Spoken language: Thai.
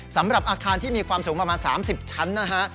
สำหรับอาคารที่มีความสูงประมาณ๓๐ชั้นนะฮะ